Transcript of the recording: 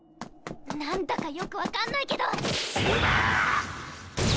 なんだかよく分かんないけどウバー！